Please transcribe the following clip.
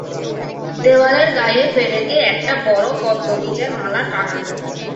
দেওয়ালের গায়ে পেরেকে একটা বড় পদ্মবীজের মালা টাঙানো।